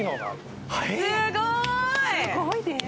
すごいね。